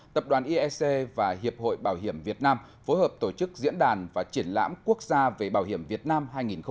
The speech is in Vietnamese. tập đoàn iec và hiệp hội bảo hiểm việt nam phối hợp tổ chức diễn đàn và triển lãm quốc gia về bảo hiểm việt nam hai nghìn một mươi chín